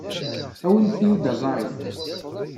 Awimt-iyi-d aẓarif.